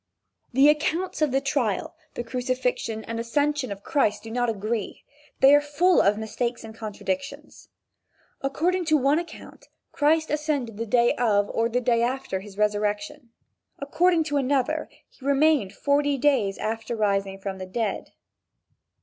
The accounts of the trial, the crucifixion, and ascension of Christ do not agree. They are full of mistakes and contradictions. According to one account Christ ascended the day of, or the day after his resurrection. According to another he remained forty days after rising from the dead.